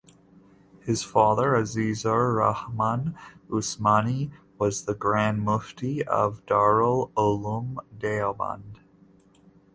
His father Azizur Rahman Usmani was the Grand Mufti of Darul Uloom Deoband.